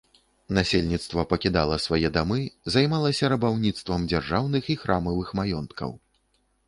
Насельніцтва пакідала свае дамы, займалася рабаўніцтвам дзяржаўных і храмавых маёнткаў.